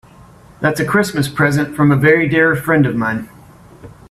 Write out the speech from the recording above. That's a Christmas present from a very dear friend of mine.